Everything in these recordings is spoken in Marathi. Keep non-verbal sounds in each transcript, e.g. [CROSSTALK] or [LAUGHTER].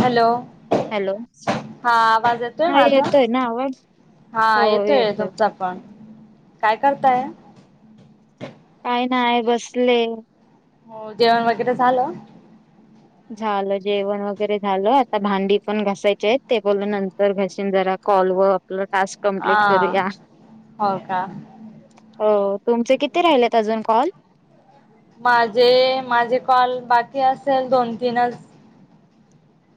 हॅलो, हॅलो हा आवाज येतोय हा माझा? ना आवाज हा येतोय तुमचा पण. काय करताय? काही नाही. बसले. हो, जेवण वगैरे झालं? झालं जेवण वगैरे झालं. आता भांडी पण घासायचे आहेत. ते बोल नंतर घशीन जरा. कॉल व आपलं टास्क हा कमप्लीट करूया. हो का हो, तुमचे किती राहिलेत अजून कॉल? माझे, माझे कॉल बाकी असेल दोन तीनच.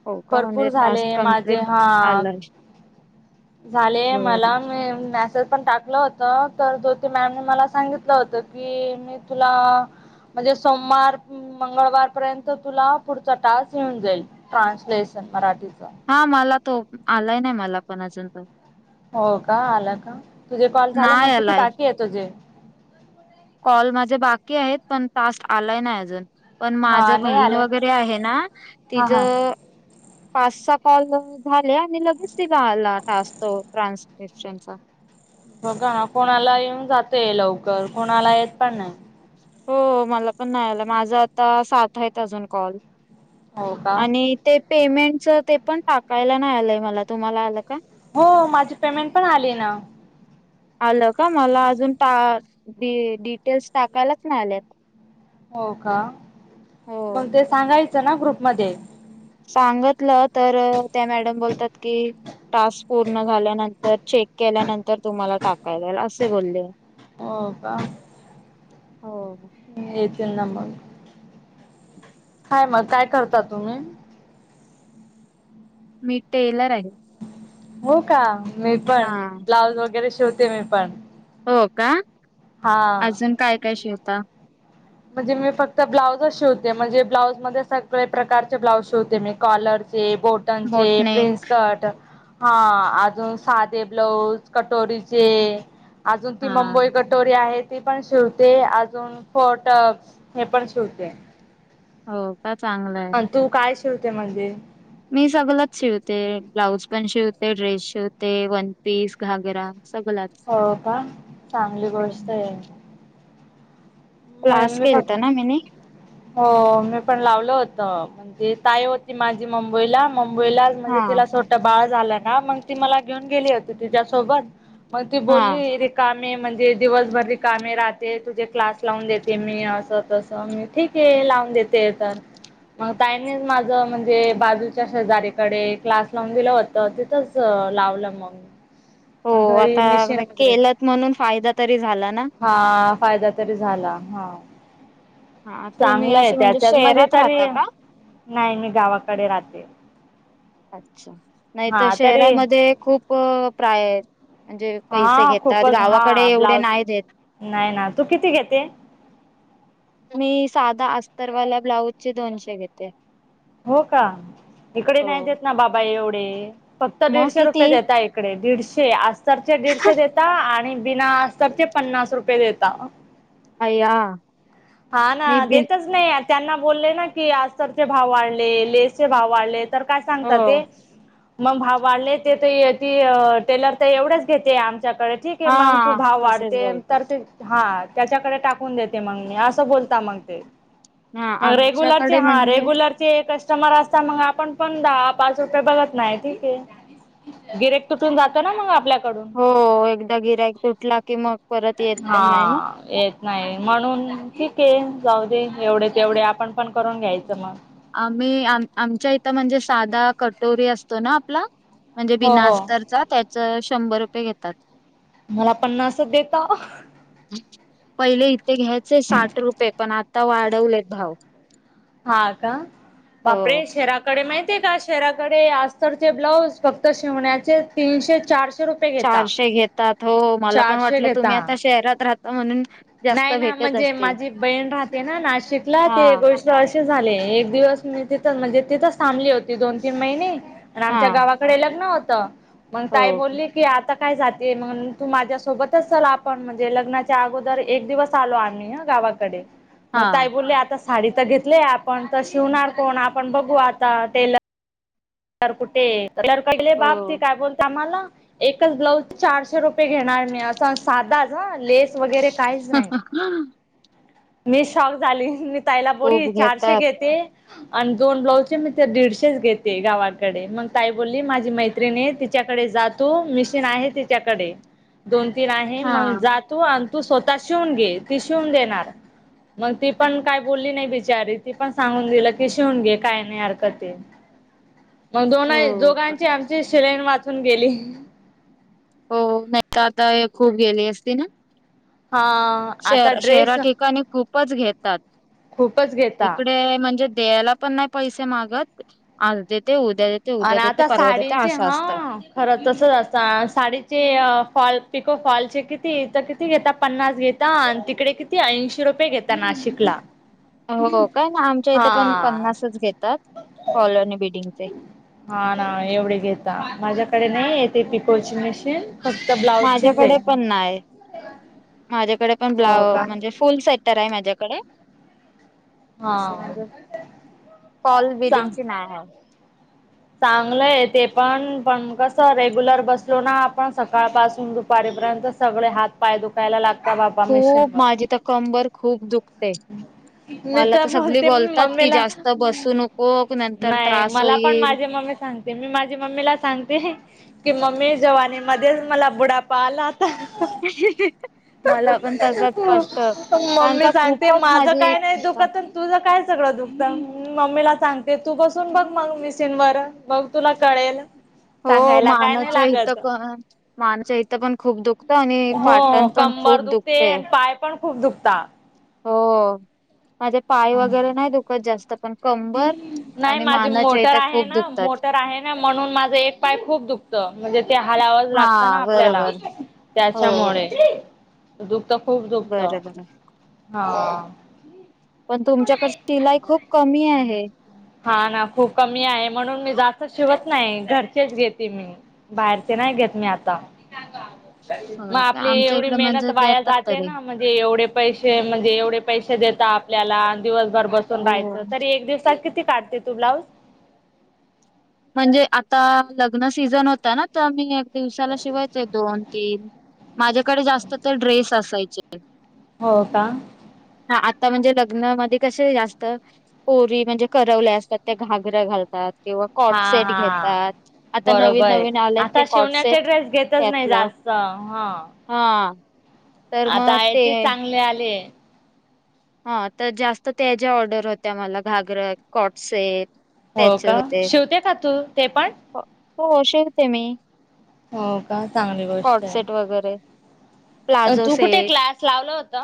हो का? म्हणजे भरपूर टास्क झाले माझे कमप्लीट हा आलाय. झाले, बर मला मी मॅसेज पण टाक ल होत, तर ज्योती मॅम मला सांगितलं होत की, मी तुला म्हणजे सोमवार मंगळवारपर्यंत तुला पुढचा टास्क येऊन जाईल, ट्रान्सलेशन मराठीचा. हा, मला तो आलाय नाही, मला पण अजून पण. हो का आलं का तुझे कॉल झाले नाही मग किती आलाय बाकी आहे तुझे कॉल माझे बाकी आहेत पण टास्क आलाय नाही अजून पण माझ हा नाही बहीण आले ना. वगैरे आहे ना हा तिझ हा पाच, सहा कॉल झाले आणि लगेच तिला आला टास्क तो ट्रान्स [UNINTELLIGIBLE] बघा ना कोणाला येऊन जातय लवकर कोणाला येत पण नाही हो मला पण नाही आला माझं आता सात आहेत अजून कॉल हो का आणि ते पेमेंटच ते पण टाकायला नाही आलंय मला तुम्हाला आलं का हो माझी पेमेंट पण आली ना आलं का मला अजून टा डी डिटेल्स टाकायलाच नाही आल्यात हो का हो मग ते सांगायचं ना ग्रुपमध्ये सांगतलं तर त्या मॅडम बोलतात की टास्क पूर्ण झाल्यानंतर चेक केल्यानंतर तुम्हाला टाकायलाल असे बोलले हो का हो येतील ना मग काय मग काय करता तुम्ही मी टेलर आहे हो का मी पण हा ब्लाऊज वगैरे शिवते मी पण हो का हा अजून काय, काय शिवता म्हणजे मी फक्त ब्लाउजच शिवते म्हणजे ब्लाउज मध्ये सगळे प्रकारचे ब्लाउज शिवते मी कॉलरचे बोट टानचे बोटनेक प्रिन्स कट हा अजून साधे ब्लाऊज कटोरीचे अजून ती हा मुंबई कट टोरी आहे ती पण शिवते अजून फोर्ट हे पण शिवते हो का चांगलं आहे. अ तू काय शिवते म्हणजे मी सगलच शिवते ब्लाऊज पण शिवते ड्रेस शिवते वन पीस घागरा सगलच हो का चांगली गोष्ट आहे होय क्लास मी केलता फक ना मीनी हो मी पण लावलं होत म्हणजे ताई होती माझी मुंबईला, मुंबईला हा म्हणजे तिला सोट बाळ झालं ना मग ती मला घेऊन गेली होती तिच्यासोबत मग ती हा बोलली रिकामे म्हणजे दिवसभर रिकामे राहते तुझे क्लास लावून देते मी असं तसं मी ठीक आहे लावून देते तर मग ताईनी माझं म्हणजे बाजूच्या शेजारीकडे क्लास लावून दिलं होतं तिथंच च लावलं मग हो मग घरी आता मिशीन वगैरे केलत म्हणून फायदा तरी झाला ना हा फायदा तरी झाला हा हा तुम्ही चांगलं आहे असे म्हणजे त्याच्यात मणजे शहरात तरी राहता का नाही मी गावाकडे राहते अच्छा नाही तर हां तरी शहरामध्ये खूप प्राय म्हणजे पैसे हां घेतात खूपच गावाकडे हां एवढे ब्लाऊज नाही देत नाही ना तू किती घेते मी साधा अस्तरवाला ब्लाउज चे दोनशे घेते हो का इकडे हो नाही देत ना बाबा एवढे फक्त मग दीडशे रुपय किती देतायत कडे दीडशे अस्तरचे दीडशे देता आणि बिना अस्तरचे पन्नास रुपये देता अय्या हा ना मी बिन देतच नाही त्यांना बोलले ना की अस्तरचे भाव वाढले लेसचे भाव वाढलेत तर काय सांगता हो. ते मग भाव वाढले ते तर ती टेलर तर एवढेच घेते आ च्याकडे ठीक आहे मग तू हा भाव तसेच वाढते बोलतात तर ते हा त्याच्याकडे टाकून देते मग मी असं बोलता मग ते हा मग रेग्युलरचे आमच्याकडे हा म्हणजे रेग्युलर ते कस्टमर असता मग आपण पण दहा पाच रुपये बघत नाही ठीके गिराहिक तुटून जातो ना मग आपल्याकडून. हो एकदा गिरायक सुटला की मग परत येत पण नाही ना. हा.. येत नाही म्हणून ठीक आहे जाऊ दे एवढे तेवढे आपण पण करून घ्यायचं मग आम्ही आमच्या इथं म्हणजे साधा कटोरी असतो ना आपला म्हणजे हो हो बिनास्तरचा त्याच शंभर रुपये घेतात.. मला पन्नास देता.. पहिले इथे घ्यायचे साठ रुपये पण आता वाढवलेत भाव हा का हो. बापरे शरा कडे माहितीय का शेराकडे अस्तरचे ब्लाउज फक्त शिवण्याचे तीनशे चारशे रुपय चारशे घेतात हो मला पण वाटलं तुम्ही घेता आता शहरात राहता म्हणून जास्त नाही ना भेटत म्हणजे असते माझी बहीण राहते ना नाशिकला हा ते गोष्ट असे झाले एक दिवस मी तिथ म्हणजे तिथच थांबली होती दोन तीन महिने आणि हा आमच्या गावात डे लग्न होत मग हो ताई बोलली की आता काय जाते मग तू माझ्यासोबतच चल आपण म्हणजे लग्नाच्या अगोदर एक दिवस परत आलो आम्ही ह गावाकडे मग हा ताई बोलली आता साडी तर घेतली आपण तर शिवणार कोण आपण बघू आता टेलर तर कुठे कले हो बाप ती काय बोलते आम्हाला एकच ब्लाऊज चारशे रुपये घेणार मी असं साधाच लेस वगैरे काहीच नाही.. मी शॉक झाली ताईला बोललि खूप चारशे घेतात. घेते आणि दोन ब्लाउजचे मी तर दीडशेच घेते गावात डे मग ताई बोलली माझी मैत्रिणी तिच्याकडे जा तू मिशीन आहे तिच्याकडे दोन तीन आहे हा मग जा तू आणि तू स्वतः शिवून घे ती शिवून देणार मग ती पण काय बोलली नाही बिचारी ती पण सांगून दिलं की शिवून घे काय नाही हरक ते मग दोनही हो पण- दोघांची आमची सिलाईन वाचून गेली हो नाही तर आता खूप गेली असती ना हा.. श आता शेहरा ड्रेस ठिकाणी खूपच घेतात खूपच घेता इकडे म्हणजे देयाला पण नाही पैसे मागत आज देते उद्या देते उद्या आणि देते आता परवा देते साडींचे असं असतं हा खरं तसंच असत साडीचे फॉल पिको फॉलचे किती तर किती घेतात पन्नास घेत तिकडे किती ऐंशी रुपये घेतात नाशिक ला हो काय ना आमच्या इथे पण पन्नासच घेतात फॉलो नी बिल्डिंगचे हा ना एवढे घेता माझ्याकडे नाही येते ती पिको ची मशीन फक्त ब्लाउजचीच माझ्याकडे आहे पण नाही माझ्याकडे पण हो ब्लाव का म्हणजे फुल सेट्टर आहे माझ्याकडे अशी हा म्हणजे फॉल बीडिंगची नाय हाय.. चांगलंय ते पण पण कस रेग्युलर बसलो ना आपण सकाळपासून दुपारीपर्यंत सगळे हात पाय दुखायला लागतात बाबा मशीन वर जिथं कंबर खूप दुखते ते.. मी मला तर सगळी बोलते बोलतात कि, मम्मीला जास्त बसू नकोक, नंतर त्रास होईल. ते मी माझी मम्मीला सांगते. की मम्मी जवानी मध्येच मला बुढापा आला. [UNINTELLIGIBLE] मला पण तसच वाटतं. पण कारण मम्मी का सांग ते खूपच माझं माझी काय नाही दुखत तुझ काय सगळं दुखत. मम्मीला सांगते तू बसून बघ मग मिशीन वर मग तुला कळेल. [INAUDIBLE] हो, सांगायला काय नाही मानच्या इथं लागत पण, मानच्या इथं पण खूप दुखतं आणि पाटण पण खूप दुखत तेन पाय पण खूप दुखता. हो माझे पाय वगैरे नाही दुखत जास्त पण कंबर. नाही आणि माझी मानाच्या मोटर इथं आहे खूप ना, दुखतात. मोटर आहे ना, म्हणून माझं एक पाय खूप दुख म्हणजे ते हलावाच हा लागतं ना, आपल्याला बरोबर हो त्याच्यामुळे दुखत खूप दुखत, बरोबर हा. पण तुमच्याकडे शिलाई खूप कमी आहे. हा ना, खूप कमी आहे. म्हणून मी जास्त शिवत नाही. घरचेच घेते मी. बाहेरचे नाही घेत मी आता. मग हो का? आपली आमच्या एवढी इकडे मेहनत म्हणजे वाया देतात जाते तरी ना, म्हणज ते एवढे पैसे, म्हणजे एवढे पैसे देत आपल्याला, दिवसभर बस हो. राहायचं. तरी एक दिवसात किती काढते तू ब्लाऊज? म्हणजे आता लग्न सीझन होता ना, तर मी एक दिवसाला शिवायचे दोन, तीन. माझ्याकडे जास्त तर ड्रेस असायचे. हो का? हा आता म्हणजे लग्नामध्ये कसे जास्त पोरी म्हणजे करवल्या असतात. त्या घागरा घालतात किंवा कॉट सेट हा-हा घेतात आता नवीन बरोबरे. नवीन आलेत ते आता कॉटसेट शिवण्याचे ड्रेस घेतच नाही त्यातलं जास त हा. हा. तर आता मग आहे. ते तेच चांगले आले. हा तर जास्त त्या ज्या ऑर्डर होत्या, मला घागर कॉटसेप हो का. शिवते का तू ते पण.? हो शिवते मी. हो का. चांगली गोष्टाय. कॉटसेट वगैरे प्लाझो तू कुठे सेट क्लास लावल होत?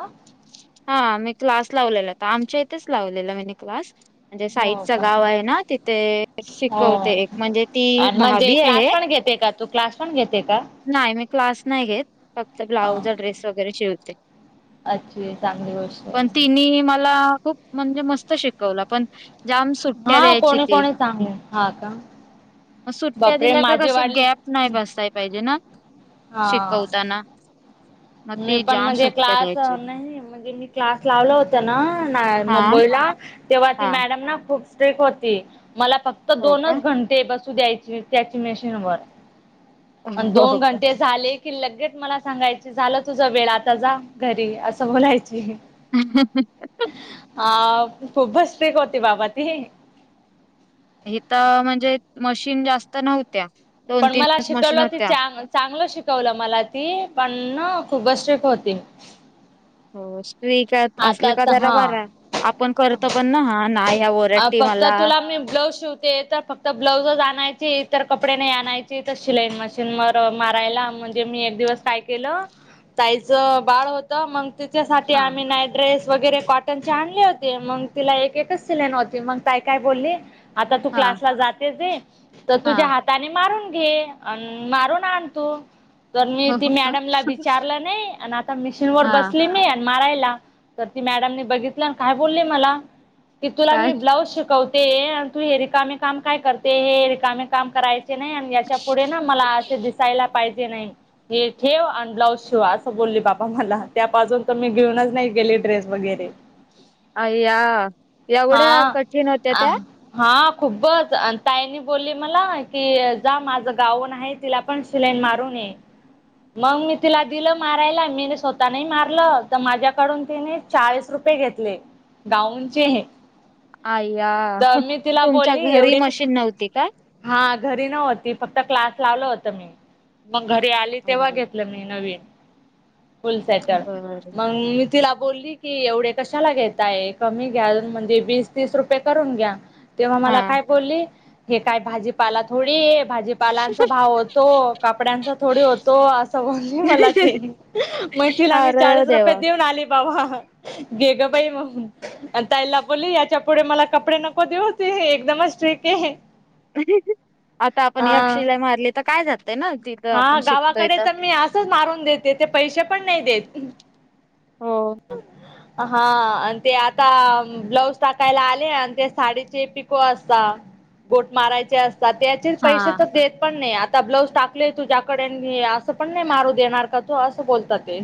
हा, मी क्लास लावलेला. का आमच्या इथेच लावलेला मी क्लास. म्हणजे हो साईडचं का गाव आहे ना, तिथे हो शिकवते एक, म्हणजे ती आणि म्हणजे भाभी आहे. क्लास पण घेते का तू क्लास पण घेते का? नाही. मी क्लास नाही घेत. फक्त ह ब्लाउज ड्रेस वगैरे शिवते. अच्छी चांगली गोष्ट पण आहे तिनी मला खूप म्हणजे मस्त शिकवल पण जाम सुट्ट्या हा द्यायची कोणी ती कोणी चांगले हा का मग सुट्ट्या बापरे दिल्या तर माझे कशी वाडील गॅप नाही बसताय पाहिजे ना, हा शिकवताना. मग मी ती पण जाम म्हणजे सुट्ट्या क्लास द्यायची नाही. म्हणजे मी क्लास लावला होता ना, ना हा मुंबईला, तेव्हा ती हा मॅडम ना खूप स्ट्रीट होती. मला फक्त हो का दोनच घं ते बसू द्यायी त्याची मशिन वर, अन् हो दोन हो का घंटे झाले की लगेच मला सांगायची, झालं तुझ वेळ, आता जा घरी असं बोलायची. ह-ह-ह. हा खूपच स्ट्रीक होती बाबा ती हितं म्हणजे मशीन जास्त नव्हत्या दोन पण मला तीनच मशीन शिकवलं ते होत्या. चांग चांगलं शिकवलं मला ती पण ना खूपच स्ट्रीक होती हो स्ट्रीक असल आता का जरा हा बरा आहे आपण करतो पण ना हा नाही ह्या अ ओरडती फक्त मला तुला मी ब्लाऊज शिवते तर फक्त ब्लाऊजच आणायची इतर कपडे नाही आणायची तर शिलाई मशीनवर मारायला म्हणजे मी एक दिवस काय केलं ताईच बाळ होत त मग तिच्यासाठी हा आम्ही नाईट ड्रेस वगैरे कॉटनचे आणले होते मग तिला एकेकच लाईन होती मग ताई काय बोलली आता तू हा क्लासला जातेच आहेस तर हा तुझ्या हात ताने मारून घे अन् मारून आण तू तर मी ती हो का मॅडमला विचारलं नायी आणि आता मिशीन वर हा बसली मी मारायला तर ती मॅडमनी बघितली आणि काय बोलली मला की तुला काय? मी ब्लाउज शिकवते आणि तू हे रिकामे काम काय करते हे रिकामे काम करायच ते नाही याच्या पुढे ना मला असे दिसायला पाहिजे नाही हे ठेव आणि ब्लाऊज शिव असं बोलली बाबा मला त्या पासून तर मी घेऊनच नाही गेली ड्रेस वगैरे अय्या एवढ्या हा कठीण होत्या त्या हा खूबच अन् ताईनी बोलली मला की जा माझं गाऊन आहे तिला पण शिलाई मारून ये मग मी तिला दिलं मारायला मीन स्वतः नाही मारलं तर माझ्याकडून तिने चाळीस रुपये घेतले गाऊनचे अय्या तर मी तिला तुमच्या बोलली घरी एवढे कसे मशीन नव्हती का हा घरी नव्हती फक्त क्लास लावलं होत मी मग घरी आली तेव्हा अरे घेतलं मी नवीन फुलसेटर बर मग मी तिला बोल्ली की एवढे कशाला घेताय कमी घ्या म्हणजे वीस तीस रुपये करून घ्या तेव्हा मला हा काय बोलली हे काय भाजीपाला थोडी आहे भाजी पालांचा भाव होतो कापड्यांचा थोडी होतो असं बोल्ली मला ती मग तिला मी अरे चाळीस रुपये देवा देऊन आले बाबा घे गं बाई म्हणून आणि ताईला बोल्ली याच्या पुढे मला कपडे नको देऊ ते एकदमच स्ट्रीक आहे आता आपण एक हा शिलाई मारली तर काय जातय ना तिथं आपण शिकतोय तर तसंच मारून देते ते पैसे पण नाही देत हो का हा अन् ते आत का ब्लाऊज टाकायला आले आणि ते साडीचे पिको असता गोट मारायचे असता त्याचे हा पैसे तर देत पण नाही आता ब्लाऊज टाकलंय तुझ्याकडे मी असं पण नाही मारू देणार का तू असं बोलत ते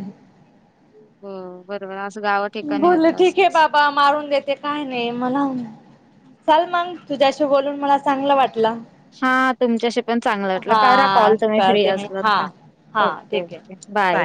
हो बरोबर असं गावात बोल्ले ठीक आहे बाबा मारून देते काय नाही मला चल मंग तुझ्याशी बोलून मला चांगलं वाटलं हां तुमच्याशी पण चांगलं वाटलं करा कॉल हा तुम्ही फ्री करते मी असलात हा का हा ओके ठीक आहे ओके बाय